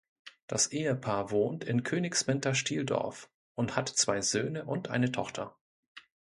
Das Ehepaar wohnt in Königswinter-Stieldorf und hat zwei Söhne und eine Tochter.